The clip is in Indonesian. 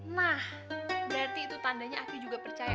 nah berarti itu tandanya aki juga percaya